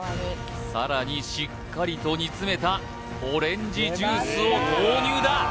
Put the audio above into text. さらにしっかりと煮詰めたオレンジジュースを投入だ